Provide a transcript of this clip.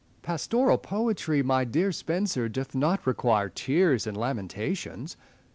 Essex. Pastoral poetry, my dear Spenser, doth not require tears and lamentations.